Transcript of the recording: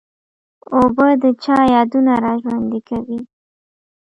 اوبه د چا یادونه را ژوندي کوي.